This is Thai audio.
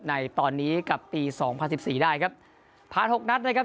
ในตอนนี้กับปีสองพันสิบสี่ได้ครับผ่านหกนัดนะครับ